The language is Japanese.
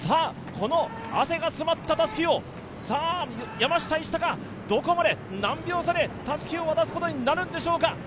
この汗が詰まったたすきを山下一貴、どこまで何秒差でたすきを渡すことになるんでしょうか？